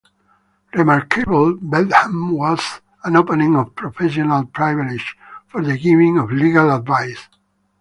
Remarkably, Bentham was an opponent of professional privilege for the giving of legal advice.